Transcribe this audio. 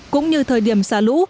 cũng như thời điểm xả lũ